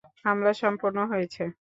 হামলা সম্পন্ন হয়েছে।